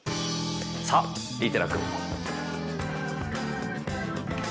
さっ利寺君。